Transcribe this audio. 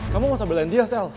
kamu gak usah bilangin dia sel